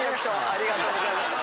ありがとうございます。